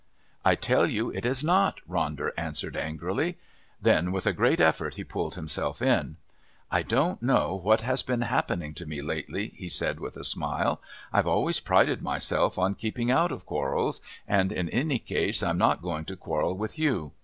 "I tell you it is not!" Ronder answered angrily. Then with a great effort he pulled himself in. "I don't know what has been happening to me lately," he said with a smile. "I've always prided myself on keeping out of quarrels, and in any case I'm not going to quarrel with you.